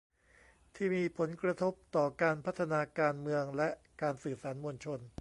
ที่มีผลกระทบต่อการพัฒนาการเมืองและการสื่อสารมวลชน